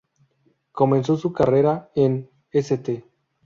Comenzó su carrera en St.